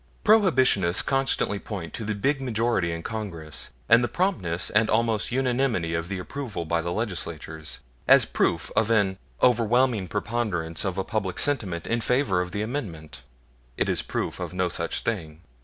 Prohibitionists constantly point to the big majority in Congress, and the promptness and almost unanimity of the approval by the Legislatures, as proof of an overwhelming preponderance of public sentiment in favor of the Amendment. It is proof of no such thing.